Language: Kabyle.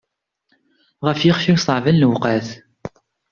Ɣef yixef-iw ṣeεben lewqat.